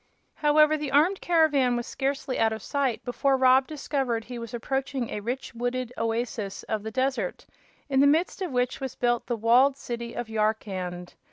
However, the armed caravan was scarcely out of sight before Rob discovered he was approaching a rich, wooded oasis of the desert, in the midst of which was built the walled city of Yarkand.